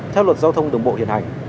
theo luật giao thông đường bộ hiện hành